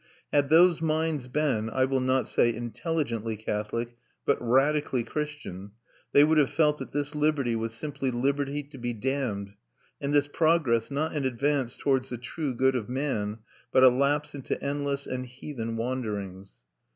Had those minds been, I will not say intelligently Catholic but radically Christian, they would have felt that this liberty was simply liberty to be damned, and this progress not an advance towards the true good of man, but a lapse into endless and heathen wanderings.